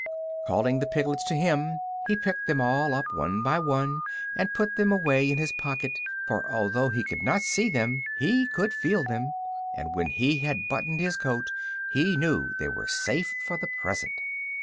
Calling the piglets to him he picked them all up, one by one, and put them away in his pocket; for although he could not see them he could feel them, and when he had buttoned his coat he knew they were safe for the present.